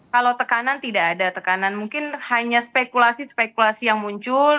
kalau tekanan tidak ada tekanan mungkin hanya spekulasi spekulasi yang muncul